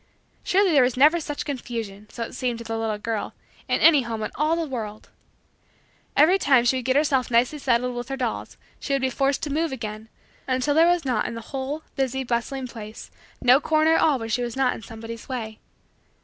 Surely there was never such confusion, so it seemed to the little girl, in any home in all the world. Every time that she would get herself nicely settled with her dolls she would be forced to move again; until there was in the whole, busy, bustling place no corner at all where she was not in somebody's way.